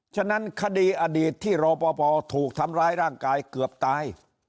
ฉะนั้นคดีอดีตที่รอปภถูกทำร้ายร่างกายเกือบตาย